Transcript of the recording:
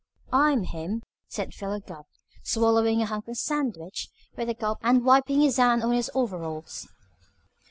"I'm him," said Philo Gubb, swallowing a hunk of sandwich with a gulp and wiping his hand on his overalls.